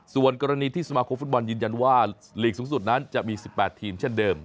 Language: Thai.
ส่วนกรณีที่สมาคมฟุตบอลยืนยันว่าลีกสูงสุดนั้นจะมี๑๘ทีมเช่นเดิม